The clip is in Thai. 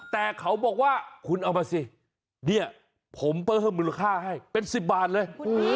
แต่เขาบอกว่าคุณเอามาสิเนี่ยผมเพิ่มมูลค่าให้เป็น๑๐บาทเลย